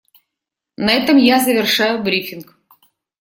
На этом я завершаю брифинг.